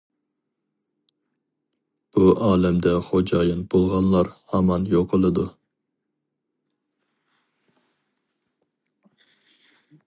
بۇ ئالەمدە خوجايىن بولغانلار ھامان يوقىلىدۇ.